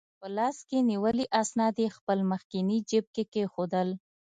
په لاس کې نیولي اسناد یې خپل مخکني جیب کې کېښوول.